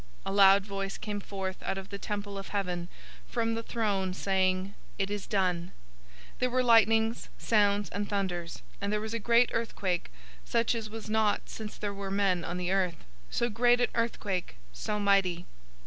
A loud voice came forth out of the temple of heaven, from the throne, saying, "It is done!" 016:018 There were lightnings, sounds, and thunders; and there was a great earthquake, such as was not since there were men on the earth, so great an earthquake, so mighty.